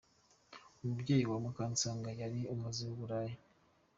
Umubyeyi wa Mukansanga yari amuziho uburaya.